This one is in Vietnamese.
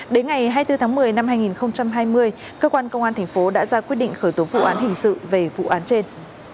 đến ngày hai mươi bốn tháng một mươi năm hai nghìn hai mươi cơ quan công an thành phố đã ra quyết định khởi tố vụ án hình sự về vụ án trên